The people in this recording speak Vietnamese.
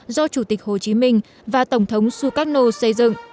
do chủ tịch hồ chí minh và tổng thống sukarno xây dựng